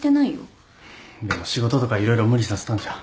でも仕事とか色々無理させたんじゃ。